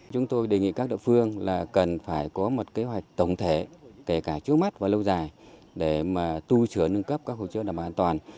các đồng phương là cần phải có một kế hoạch tổng thể kể cả trước mắt và lâu dài để mà tu sửa nâng cấp các hồ chứa đảm bảo an toàn